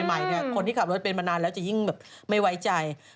เห้ยเรียกซีเรียกซีต้องกำคัญ่ิ่งขับรถไม่ไหวใจ